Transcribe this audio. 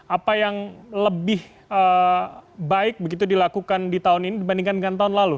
apa yang lebih baik begitu dilakukan di tahun ini dibandingkan dengan tahun lalu